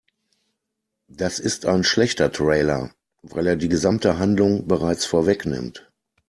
Das ist ein schlechter Trailer, weil er die gesamte Handlung bereits vorwegnimmt.